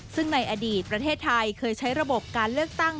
ซึ่งในอดีตประเทศไทยเคยใช้ระบบการเลือกตั้ง